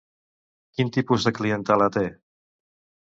Quin tipus de clientela té?